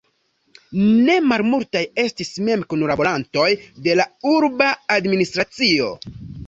Ne malmultaj estis mem kunlaborantoj de la urba administracio.